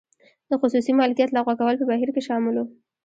د خصوصي مالکیت لغوه کول په بهیر کې شامل و.